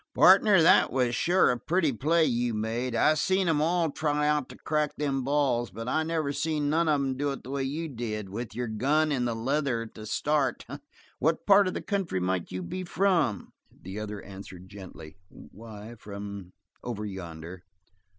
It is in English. "Partner, that was sure a pretty play you made. I've seen 'em all try out to crack them balls, but I never seen none do it the way you did with your gun in the leather at the start. What part of the country might you be from?" The other answered gently: "Why, from over yonder."